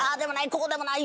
こうでもない